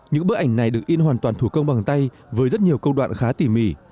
những bức ảnh này được in hoàn toàn thủ công bằng tay với rất nhiều công đoạn khá tỉ mỉ